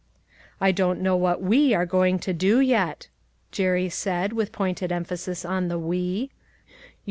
" I don't know what we are going to do, yet," Jerry said with pointed emphasis on the we.